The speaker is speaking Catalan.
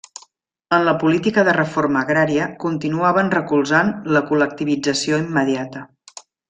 En la política de reforma agrària continuaven recolzant la col·lectivització immediata.